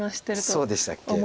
そうでしたっけ？